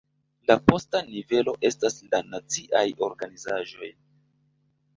La posta nivelo estas la naciaj organizaĵoj.